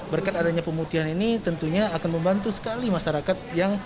berkat adanya pemutian ini tentunya akan membantu sekali masyarakat